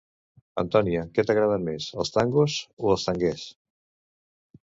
Antònia, què t'agraden més, els tangos o els tangues?